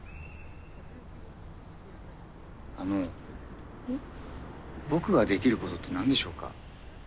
あの僕ができることって何でしょうか？